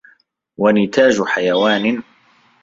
وَنِتَاجُ حَيَوَانٍ